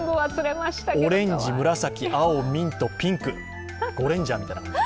オレンジ、紫、青、ミント、ピンク、ゴレンジャーみたいな感じ。